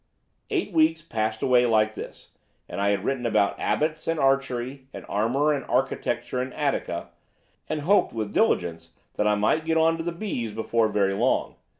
"Eight weeks passed away like this, and I had written about Abbots and Archery and Armour and Architecture and Attica, and hoped with diligence that I might get on to the B's before very long.